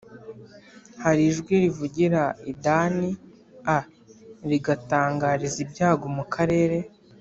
Hari ijwi rivugira i Dani a rigatangariza ibyago mu karere